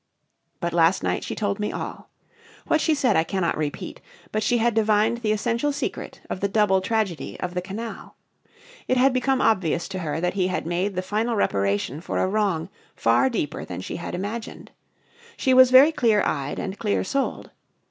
But last night she told me all. What she said I cannot repeat. But she had divined the essential secret of the double tragedy of the canal. It had become obvious to her that he had made the final reparation for a wrong far deeper than she had imagined. She was very clear eyed and clear souled.